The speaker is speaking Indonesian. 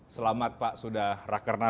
selamat pak sudah rakernas